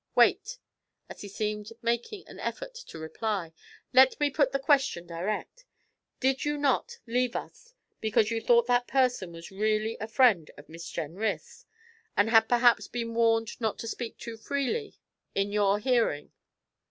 Wait,' as he seemed making an effort to reply. 'Let me put the question direct. Did you not leave us because you thought that person was really a friend of Miss Jenrys, and had, perhaps, been warned not to speak too freely in your hearing?'